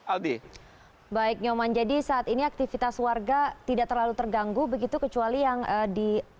aldi baik nyoman jadi saat ini aktivitas warga tidak terlalu terganggu begitu kecuali yang di